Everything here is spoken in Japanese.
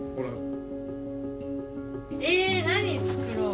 え何作ろう。